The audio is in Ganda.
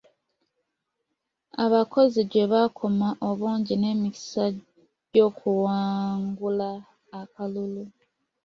Abakozi gye bakoma obungi n'emikisa gy'okuwangula akalulu.